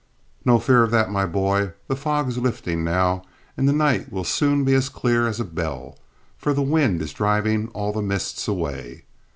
"No fear of that, my boy: The fog is lifting now and the night will soon be as clear as a bell, for the wind is driving all the mists away.